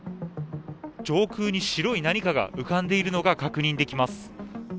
上空に白い何かが浮かんでいるのが確認できます。